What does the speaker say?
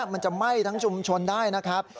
มันจะไหม้ทั้งชุมชนได้นะครับ